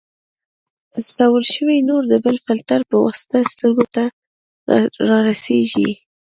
استول شوی نور د بل فلټر په واسطه سترګو ته رارسیږي.